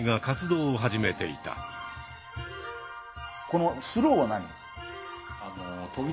このスローは何？